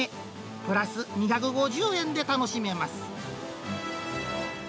プラス２５０円で楽しめます。